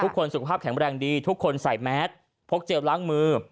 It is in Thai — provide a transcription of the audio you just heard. ทุกคนสุขภาพแข็งแรงดีทุกคนใส่แมสพกกเจลล้างมือ